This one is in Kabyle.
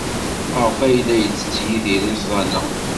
Maɣef ay la yettett Yidir iẓẓan-a?